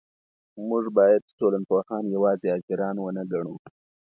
موږ باید ټولنپوهان یوازې اجیران ونه ګڼو.